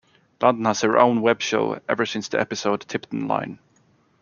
London has her own web-show, ever since the episode Tiptonline.